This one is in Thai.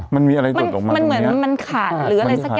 มันมีอะไรตกออกมาตรงนี้